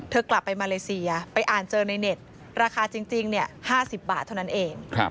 กลับไปมาเลเซียไปอ่านเจอในเน็ตราคาจริง๕๐บาทเท่านั้นเอง